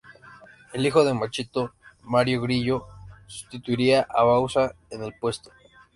El hijo de Machito, Mario Grillo, sustituiría a Bauzá en el puesto.